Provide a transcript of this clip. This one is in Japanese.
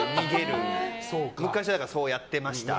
昔はそうやってました。